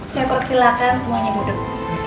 siapa silakan semuanya duduk